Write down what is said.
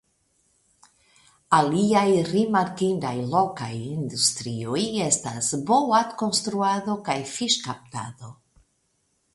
Aliaj rimarkindaj lokaj industrioj estas boatkonstruado kaj fiŝkaptado.